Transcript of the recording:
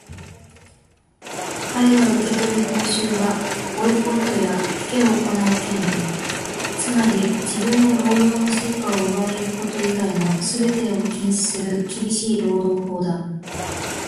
かれが受け取る報酬は、ボイコットやピケを行う権利、つまり自分の労働の成果を奪われること以外のすべてを禁止する厳しい労働法だ。